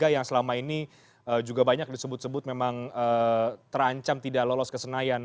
yang selama ini juga banyak disebut sebut memang terancam tidak lolos ke senayan